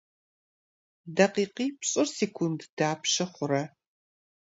Дакъикъипщӏыр секунд дапщэ хъурэ?